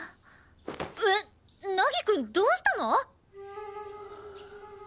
えっ凪くんどうしたの！？